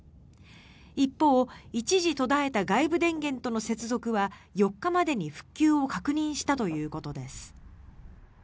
一方、一時途絶えた外部電源との接続は４日までに復旧を確認したということです。